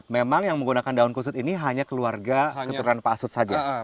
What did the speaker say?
memang yang menggunakan daun kusut ini hanya keluarga keturunan pak asut saja